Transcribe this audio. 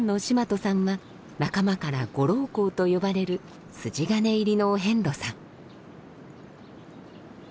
眞討さんは仲間から「ご老公」と呼ばれる筋金入りのお遍路さん。